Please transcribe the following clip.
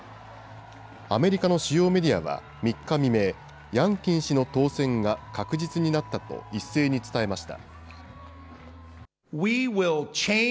アメリカの主要メディアは３日未明、ヤンキン氏の当選が確実になったと一斉に伝えました。